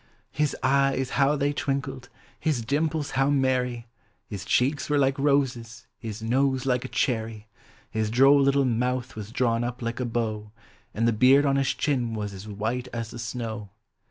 His eyes how they twinkled! his dimples how merry ! Ilis cheeks were like roses, his nose like a cherry; His droll little mouth was drawn up like a bow, And the beard on his chin was as white as the snow.